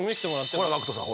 ほらＧＡＣＫＴさん。